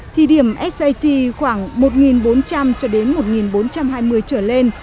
thì điểm sjt khoảng một bốn trăm linh cho đến một bốn trăm hai mươi trở lên